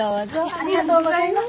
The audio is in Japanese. ありがとうございます。